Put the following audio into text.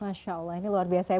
masya allah ini luar biasa ya